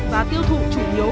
và tiêu thụ chủ yếu